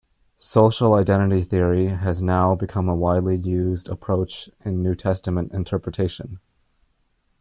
Social identity theory has now become a widely used approach in New Testament interpretation.